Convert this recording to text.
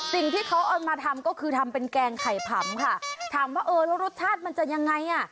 สิ่งที่เขาเอามาทำก็คือทำเป็นแกงไข่ผำค่ะถามว่าเออแล้วรสชาติมันจะยังไงอ่ะ